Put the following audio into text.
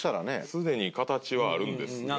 すでに形はあるんですが。